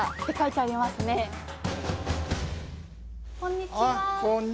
あこんにちは。